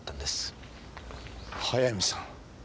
速水さん。